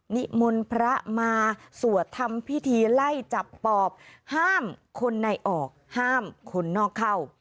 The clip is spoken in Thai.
นิมนต์พระมาสวดทำพิธีไล่จับปอบห้ามคนในออกห้ามคนนอกเข้า